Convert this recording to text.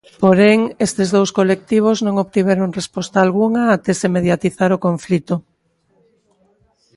Porén, estes dous colectivos non obtiveron resposta algunha até se mediatizar o conflito.